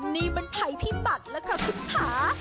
นี่มันใครพี่บัตรแล้วคะพุกขา